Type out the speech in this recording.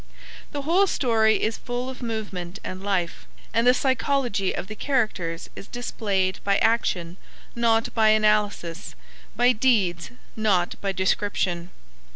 The whole story is full of movement and life, and the psychology of the characters is displayed by action not by analysis, by deeds not by description.